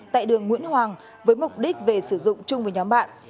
tại đường nguyễn hoàng với mục đích về sử dụng chung với nhóm bạn